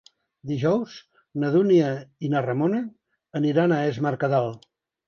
Dijous na Dúnia i na Ramona aniran a Es Mercadal.